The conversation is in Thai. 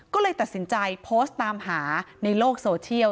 ก็เลยตัดสินใจโพสต์ตามหาในโลกโซเชียล